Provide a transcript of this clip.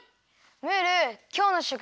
ムールきょうのしょくざい